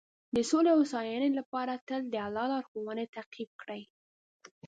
د سولې او هوساینې لپاره تل د الله لارښوونې تعقیب کړئ.